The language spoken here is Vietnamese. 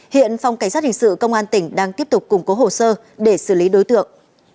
hiện phòng cảnh sát hình sự công an tỉnh đang tiếp tục củng cố hồ sơ để xử lý đối tượng